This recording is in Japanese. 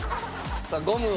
さあゴムを。